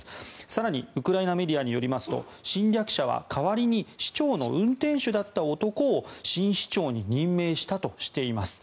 更にウクライナメディアによりますと侵略者は代わりに市長の運転手だった男を新市長に任命したとしています。